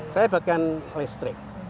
saya bagian listrik